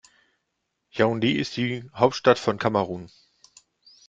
Yaoundé ist die Hauptstadt von Kamerun.